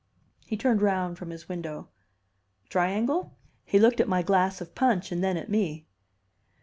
He turned round from his window. "Triangle?" He looked at my glass of punch, and then at me.